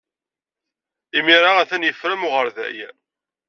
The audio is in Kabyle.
Imir-a, atan yeffer am uɣerday.